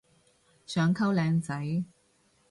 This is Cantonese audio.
想溝靚仔